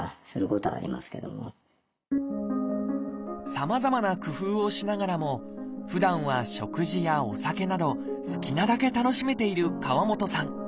さまざまな工夫をしながらもふだんは食事やお酒など好きなだけ楽しめている川本さん。